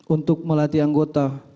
untuk melatih anggota